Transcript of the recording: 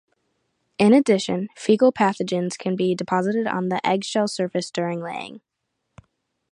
In addition, faecal pathogens can be deposited on the egg shell surface during laying.